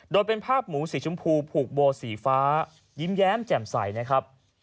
โดยเป็นภาพหมูสีชมพูผูกโบสีฟ้ายิ้มแย้มแจ่มใสนะครับ